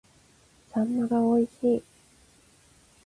秋刀魚が美味しい